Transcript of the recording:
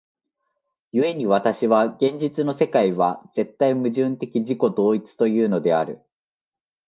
故に私は現実の世界は絶対矛盾的自己同一というのである。